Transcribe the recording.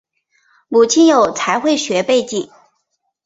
母亲有财会学背景。